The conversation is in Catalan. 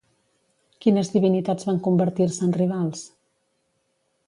Quines divinitats van convertir-se en rivals?